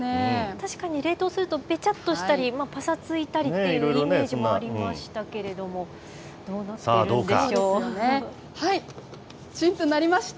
確かに冷凍すると、べちゃっとしたり、ぱさついたりというイメージもありましたけれども、どうなってるチンと鳴りました。